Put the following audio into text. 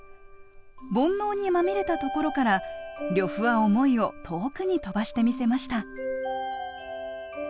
煩悩にまみれたところから呂布は想いを遠くに飛ばしてみせました。